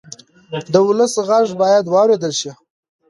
د ولس غږ باید واورېدل شي